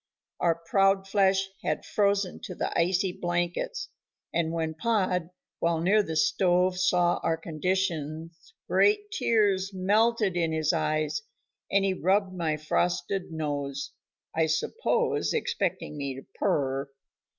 Our proud flesh had frozen to the icy blankets, and when Pod, while near the stove saw our conditions great tears melted in his eyes, and he rubbed my frosted nose, I suppose expecting me to purr.